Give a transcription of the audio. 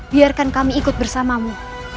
biarkan kami ikut bersamamu